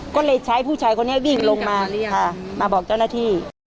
ก็เลยใช้ผู้ชายคนนี้วิ่งลงมาค่ะมาบอกเจ้าหน้าที่